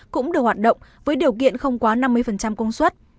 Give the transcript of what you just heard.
cũng được hoạt động với điều kiện không quá năm mươi công suất